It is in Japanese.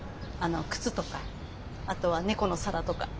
靴とかあとは猫の皿とか。